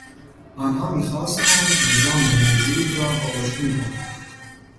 آنها میخواستند نظام موجود را واژگون کنند.